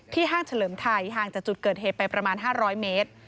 ห้างเฉลิมไทยห่างจากจุดเกิดเหตุไปประมาณ๕๐๐เมตร